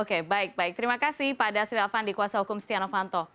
oke baik baik terima kasih pak dasri alvan di kuasa hukum setia novanto